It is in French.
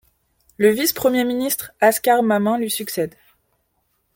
Le vice-premier ministre Askar Mamin lui succède.